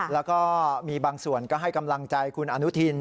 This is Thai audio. แล้วก็มีบางส่วนก็ให้กำลังใจคุณอนุทิน